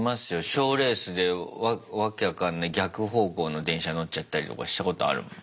賞レースで訳分かんない逆方向の電車乗っちゃったりとかしたことあるもん。